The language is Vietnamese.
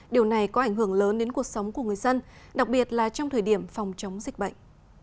điều này có ảnh hưởng lớn đến cuộc sống của người dân đặc biệt là trong thời điểm phòng chống dịch bệnh